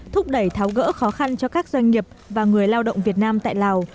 thúc đẩy tháo gỡ khó khăn cho các doanh nghiệp và người lao động việt nam tại lào